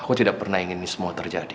aku tidak pernah ingin ini semua terjadi